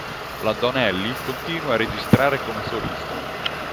La Donnelly continua a registrare come solista.